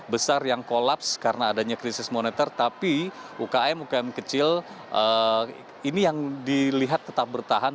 besar yang kolaps karena adanya krisis moneter tapi ukm ukm kecil ini yang dilihat tetap bertahan